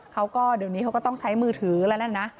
เขาก็เดี๋ยวนี้เขาก็ต้องใช้มือถือแล้วแหละนะ